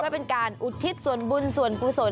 เพื่อเป็นการอุทิศส่วนบุญส่วนกุศล